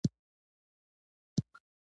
د بریښنایي لیک پیغام رسولو یو مهم سیستم دی.